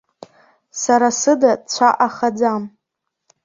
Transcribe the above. Сара сыда цәа ахаӡам.